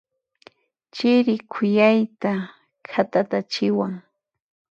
Chiri khuyayta khatatachiwan.